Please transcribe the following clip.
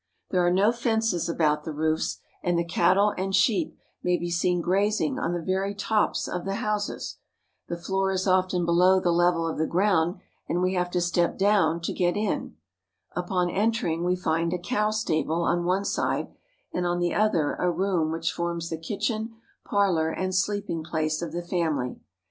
There are no fences about the roofs, and the cattle and sheep may be seen grazing on the very tops of the houses. The floor is often below the level of the ground, and we have to step down to go in. Upon entering, we find a cow stable on one side, and on the other a room which forms the kitchen, parlor, and sleeping place of the family.